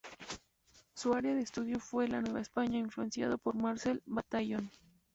Su área de estudio fue la Nueva España, influenciado por Marcel Bataillon.